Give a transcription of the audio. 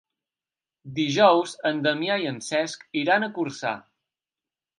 Dijous en Damià i en Cesc iran a Corçà.